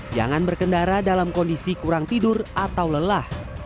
jangan berkendara dalam kondisi kurang tidur atau lelah